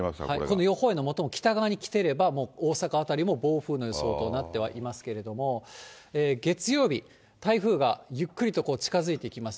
この予報円の最も北側に来てればもう大阪辺りも暴風の予想となってはいますけれども、月曜日、台風がゆっくりと近づいてきます。